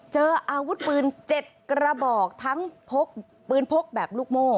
เจออาวุธปืน๗กระบอกทั้งพกปืนพกแบบลูกโม่